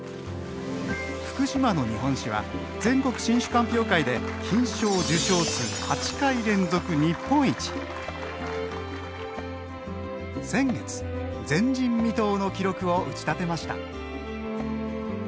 福島の日本酒は全国新酒鑑評会で金賞受賞数８回連続日本一先月前人未到の記録を打ちたてました